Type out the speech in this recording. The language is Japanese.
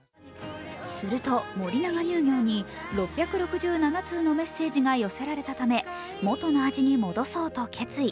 すると、森永乳業に６６７通のメッセージが寄せられたためもとの味に戻そうと決意。